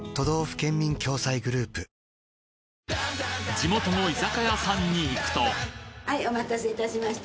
地元の居酒屋さんに行くとはいお待たせいたしました。